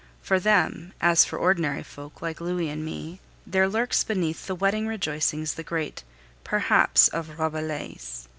For them, as for ordinary folk like Louis and me, there lurks beneath the wedding rejoicings the great "Perhaps" of Rabelais.